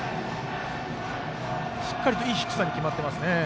しっかり、いい低さに決まっていますね。